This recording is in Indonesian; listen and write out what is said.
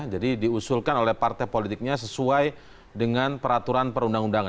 diusulkan oleh partai politiknya sesuai dengan peraturan perundang undangan